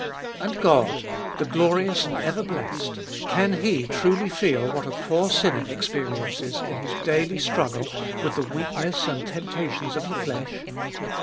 And God, the glorious and ever blessed, can He truly feel what a poor sinner experi ences in his daily struggle with the weakness and temptations of the flesh